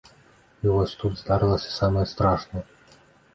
І вось тут здарылася самае страшнае.